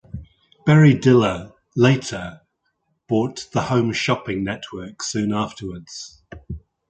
Barry Diller later bought the Home Shopping Network soon afterwards.